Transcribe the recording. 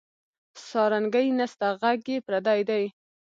سارنګۍ نسته ږغ یې پردی دی